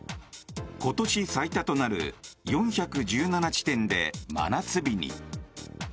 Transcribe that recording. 今年最多となる４１７地点で真夏日に。